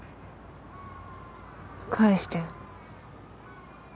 返して。